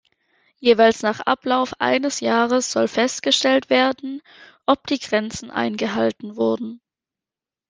Jeweils nach Ablauf eines Jahres soll festgestellt werden, ob die Grenzen eingehalten wurden.